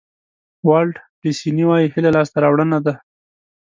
والټ ډیسني وایي هیله لاسته راوړنه ده.